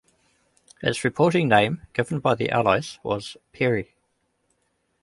Its reporting name given by the Allies was "Perry".